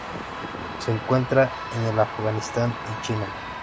Se encuentra en el Afganistán y China.